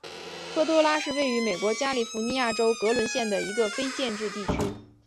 科多拉是位于美国加利福尼亚州格伦县的一个非建制地区。